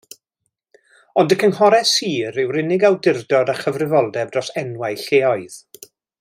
Ond y cynghorau sir yw'r unig awdurdod â chyfrifoldeb dros enwau lleoedd.